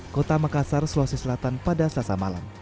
kota makassar sulawesi selatan pada selasa malam